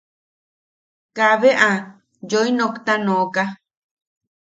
Kaabe aa yoi nokta nooka.